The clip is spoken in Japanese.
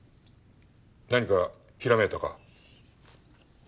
何かひらめいたか？